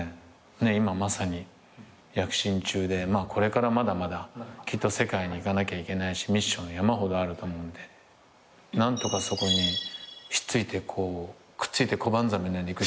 今まさに躍進中でこれからまだまだきっと世界にいかなきゃいけないしミッション山ほどあると思うんで何とかそこにひっついてくっついてコバンザメのようにいくしかないかなっていうのは。